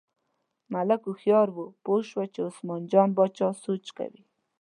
ملک هوښیار و، پوه شو چې عثمان جان باچا سوچ کوي.